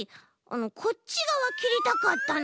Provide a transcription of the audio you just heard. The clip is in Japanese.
こっちがわきりたかったの。